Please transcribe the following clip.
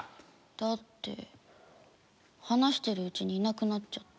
だって話してるうちにいなくなっちゃって。